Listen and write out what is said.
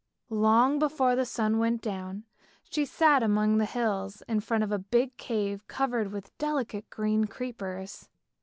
Long before the sun went down, she sat among the hills in front of a big cave covered with delicate green creepers.